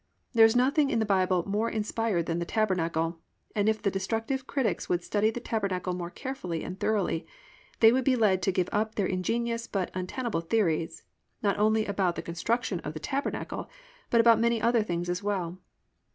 There is nothing in the Bible more inspired than the tabernacle, and if the destructive critics would study the tabernacle more carefully and thoroughly they would be led to give up their ingenious but untenable theories, not only about the construction of the tabernacle, but about many other things as well.